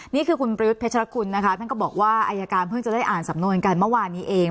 นี่คือคุณประยุทธ์เพชรคุณนะคะท่านก็บอกว่าอายการเพิ่งจะได้อ่านสำนวนกันเมื่อวานนี้เอง